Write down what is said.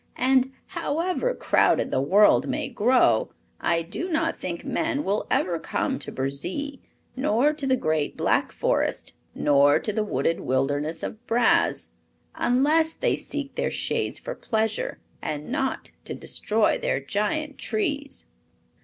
And, however crowded the world may grow, I do not think men will ever come to Burzee, nor to the Great Black Forest, nor to the wooded wilderness of Braz; unless they seek their shades for pleasure and not to destroy their giant trees."